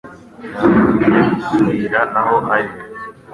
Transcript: Ntabwo ngiye kukubwira aho ari